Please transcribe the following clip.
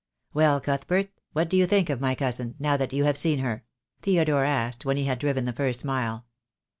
"Well, Cuthert, what do you think of my cousin, now that you have seen her?" Theodore asked, when he had driven the first mile.